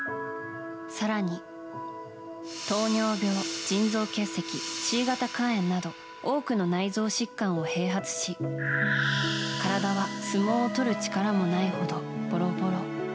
更に、糖尿病、腎臓結石Ｃ型肝炎など多くの内臓疾患を併発し体は相撲を取る力もないほどボロボロ。